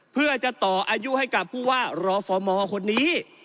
เพื่อจะต่ออายุให้กับผู้ว่ารฟมคนนี้